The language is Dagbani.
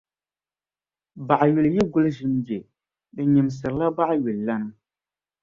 Baɣayuli yi guhi ʒim je, di nyimsirila baɣayulilana.